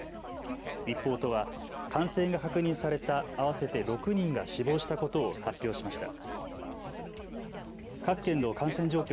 一方、都は感染が確認された合わせて６人が死亡したことを発表しました。